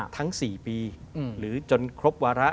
ทั้ง๔ปีหรือจนครบวาระ